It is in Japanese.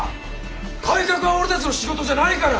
改革は俺たちの仕事じゃないから！